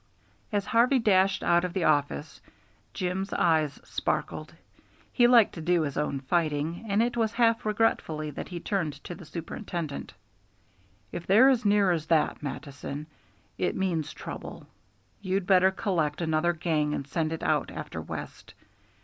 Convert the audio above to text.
As Harvey dashed out of the office Jim's eyes sparkled. He liked to do his own fighting, and it was half regretfully that he turned to the Superintendent. [Illustration: HARVEY'S MAP OF THE M. & T.] "If they're as near as that, Mattison, it means trouble. You'd better collect another gang and send it out after West.